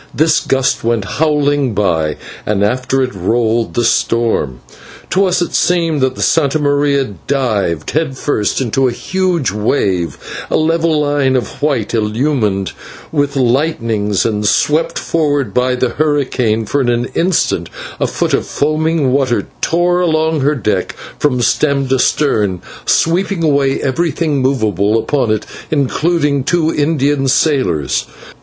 This gust went howling by, and after it rolled the storm. To us it seemed that the /Santa Maria/ dived head first into a huge wave, a level line of white illumined with lightnings and swept forward by the hurricane, for in an instant a foot of foaming water tore along her deck from stem to stem, sweeping away everything movable upon it, including two Indian sailors.